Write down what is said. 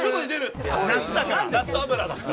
夏だから？